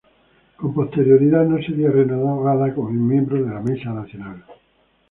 Con posterioridad no sería renovada como miembro de la Mesa Nacional.